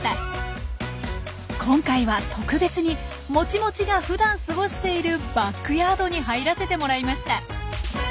今回は特別にもちもちがふだん過ごしているバックヤードに入らせてもらいました。